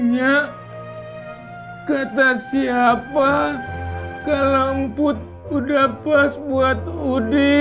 ya kata siapa kalau emput udah pas buat udin